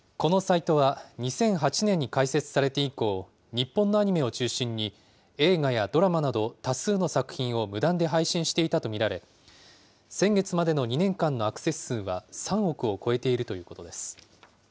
このサイトは２００８年に開設されて以降、日本のアニメを中心に映画やドラマなどを多数の作品を無断で配信していたと見られ、先月までの２年間のアクセス数は３億を超えているということです。